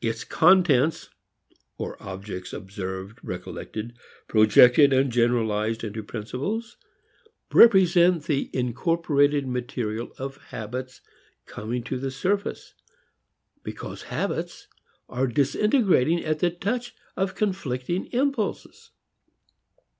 Its contents or objects, observed, recollected, projected and generalized into principles, represent the incorporated material of habits coming to the surface, because habits are disintegrating at the touch of conflicting impulses.